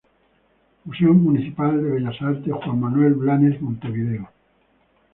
Museo Municipal de Bellas Artes Juan Manuel Blanes, Montevideo.